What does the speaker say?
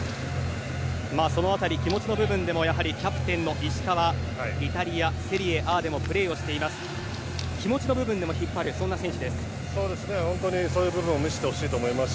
その辺り気持ちの部分でもキャプテンの石川イタリア、セリエＡでもプレーしています。